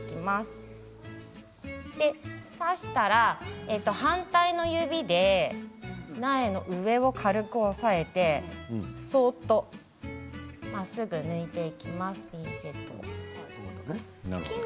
挿したら反対の指で苗の上を軽く押さえてそっとまっすぐ抜いていきます